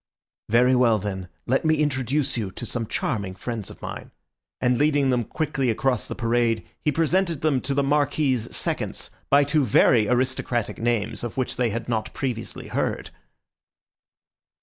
Very well then, let me introduce you to some charming friends of mine," and leading them quickly across the parade, he presented them to the Marquis's seconds by two very aristocratic names of which they had not previously heard.